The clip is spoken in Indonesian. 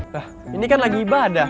nah ini kan lagi ibadah